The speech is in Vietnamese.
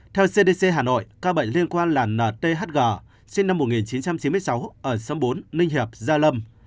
theo cdc hà nội ca bệnh liên quan là nthg sinh năm một nghìn chín trăm chín mươi sáu ở sâm bốn ninh hiệp gia lâm